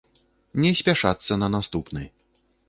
Не спяшацца на наступны.